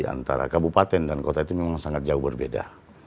antara kabupaten dan kota itu memang sangat jauh berbeda